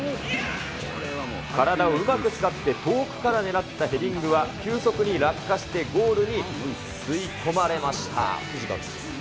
体をうまく使って、遠くから狙ったヘディングは、急速に落下してゴールに吸い込まれました。